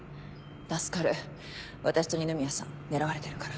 助かる私と二宮さん狙われてるから。